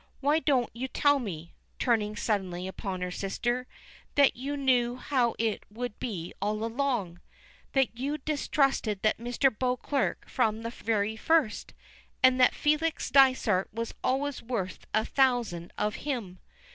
"Why don't you tell me," turning suddenly upon her sister, "that you knew how it would be all along? That you distrusted that Mr. Beauclerk from the very first, and that Felix Dysart was always worth a thousand of him?"